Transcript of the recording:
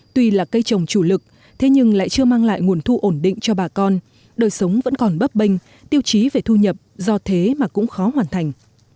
tuy là cây trồng chủ lực thế nhưng lại chưa mang lại nguồn thu ổn định cho bà con đời sống vẫn còn bấp bênh tiêu chí về thu nhập do thế mà cũng khó hoàn thành